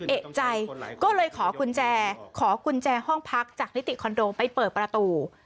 เอกใจก็เลยขอกุญแจขอกุญแจห้องพักจากนิติคอนโดไปเปิดประตู